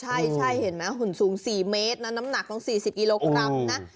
ใช่เห็นไหมหุ่นสูง๔เมตรนะน้ำหนักต้อง๔๐กิโลกรัมนะ